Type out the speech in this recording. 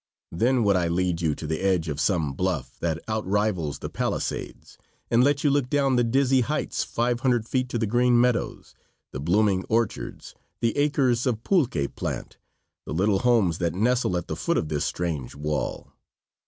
Then would I lead you to the edge of some bluff that outrivals the Palisades and let you look down the dizzy heights 500 feet to the green meadows, the blooming orchards, the acres of pulque plant, the little homes that nestle at the foot of this strange wall.